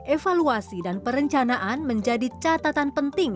evaluasi dan perencanaan menjadi catatan penting